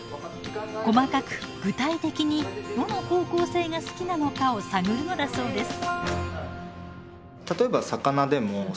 細かく具体的にどの方向性が好きなのかを探るのだそうです。